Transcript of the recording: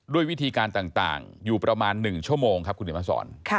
ด้วยวิธีการต่างอยู่ประมาณ๑ชั่วโมงครับคุณเดี๋ยวมาสอน